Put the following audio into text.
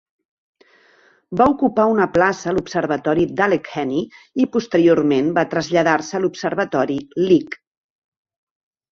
Va ocupar una plaça a l'Observatori d'Allegheny i posteriorment va traslladar-se a l'Observatori Lick.